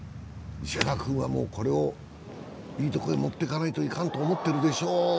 石川君はもうこれをいいとこへもっていかなきゃいかんと思ってるでしょう。